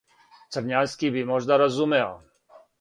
Црњански би можда разумео.